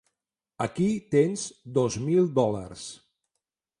Aquí tens dos mil dòlars.